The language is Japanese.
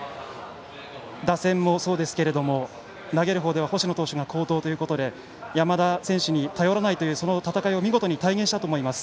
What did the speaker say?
打線もそうですけれども投げる方では星野投手が好投ということで山田選手に頼らないという戦いを見事に体現したと思います。